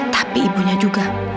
tapi ibunya juga